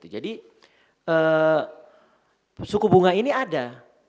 jadi suku bunga ini ada